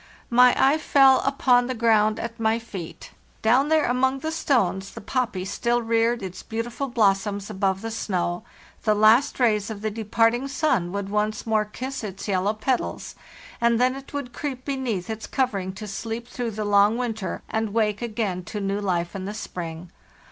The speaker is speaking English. My eye fell upon the ground at my feet. Down there among the stones, the poppy still reared its beautiful blossoms above the snow; the last rays of the departing sun would once more kiss its yellow petals, and then it would creep beneath its covering to sleep through the long winter, and awake again to new life in the spring.